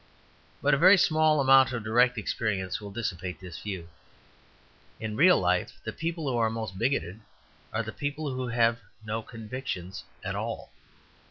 But a very small amount of direct experience will dissipate this view. In real life the people who are most bigoted are the people who have no convictions at all.